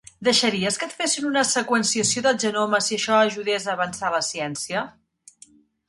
Deixaries que et fessin una seqüenciació del genoma si això ajudés a avançar la ciència?